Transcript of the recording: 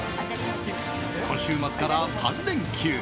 今週末から３連休。